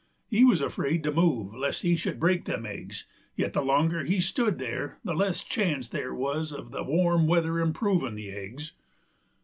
He wuz afraid to move, lest he should break them eggs; yet the longer he stood there the less chance there wuz uv the warm weather improvin' the eggs.